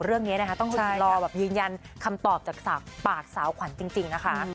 เรื่องนี้นะคะต้องรอแบบยืนยันคำตอบจากปากสาวขวัญจริงนะคะ